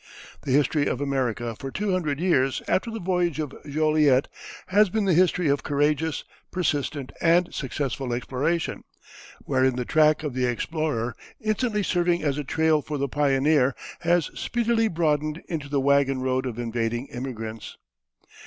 The history of America for two hundred years after the voyage of Joliet has been the history of courageous, persistent, and successful exploration, wherein the track of the explorer, instantly serving as a trail for the pioneer, has speedily broadened into the wagon road of invading immigrants.